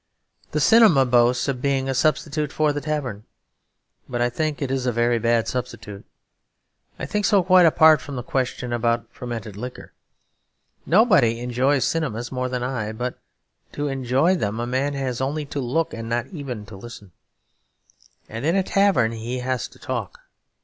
The cinema boasts of being a substitute for the tavern, but I think it a very bad substitute. I think so quite apart from the question about fermented liquor. Nobody enjoys cinemas more than I, but to enjoy them a man has only to look and not even to listen, and in a tavern he has to talk.